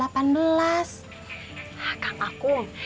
hah kang akum